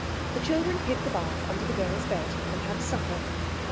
The children hid the bath under the girls' bed, and had supper.